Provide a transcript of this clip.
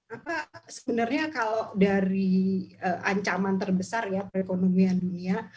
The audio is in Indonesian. apa sebenarnya kalau dari ancaman terbesar ya perekonomian dunia